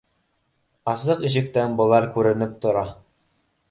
Асыҡ ишектән былар күренеп тора